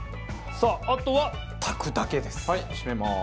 さああとは炊くだけです。